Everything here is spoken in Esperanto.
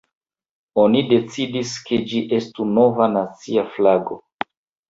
Oni decidis, ke ĝi estu nova nacia flago.